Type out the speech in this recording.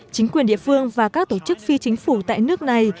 chính quyền địa phương và các tổ chức phi chính phủ tại nước này